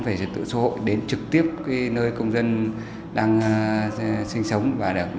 về trật tựu xô hội đến trực tiếp nơi công dân đang sinh sống và đang ở